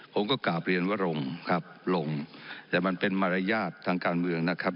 ผมก็กลับเรียนว่าลงครับลงแต่มันเป็นมารยาททางการเมืองนะครับ